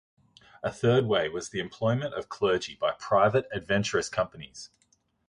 A third way was the employment of clergy by private "adventurous" companies.